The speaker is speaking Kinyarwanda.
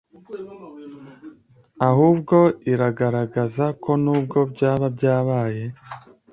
ahubwo iragaragaza ko nubwo byaba byabaye